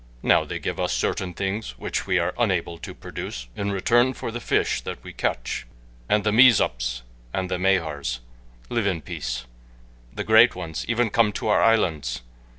Now they give us certain things which we are unable to produce in return for the fish that we catch, and the Mezops and the Mahars live in peace. "The great ones even come to our islands.